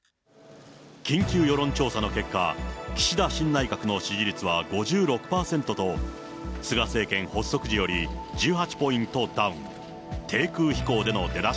緊急世論調査の結果、岸田新内閣の支持率は５６％と、菅政権発足時より１８ポイントダウン。